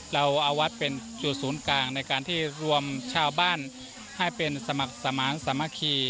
เราเอาวัดเป็นจุดศูนย์กลางในการที่รวมชาวบ้านให้เป็นสมัครสมานสามัคคี